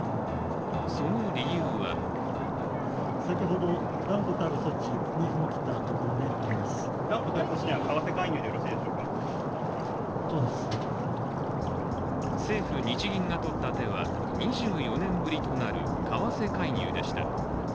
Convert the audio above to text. その理由は政府・日銀が取った手は２４年ぶりとなる為替介入でした。